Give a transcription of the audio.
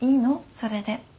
それで。